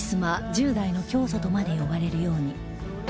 「１０代の教祖」とまで呼ばれるように